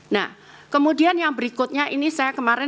nah kemudian yang berikutnya ini saya kemarin